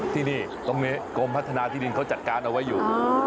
ที่นี่ตรงนี้กรมพัฒนาที่ดินเขาจัดการเอาไว้อยู่